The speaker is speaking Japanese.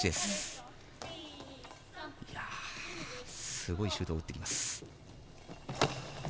すごいシュートを打ってきます。